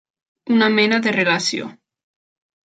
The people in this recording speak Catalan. Una mena de relació.